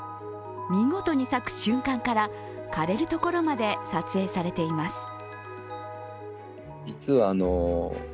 見事に咲く瞬間から枯れるところまで撮影されています。